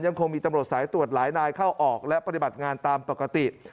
คงมีตำรวจสายตรวจหลายนายเข้าออกและปฏิบัติงานตามปกติ